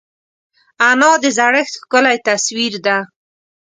انا د زړښت ښکلی تصویر ده